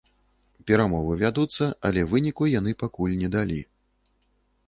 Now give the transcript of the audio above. Перамовы вядуцца, але выніку яны пакуль не далі.